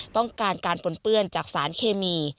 ต้องการการปนเปื้อนจากสารเคมี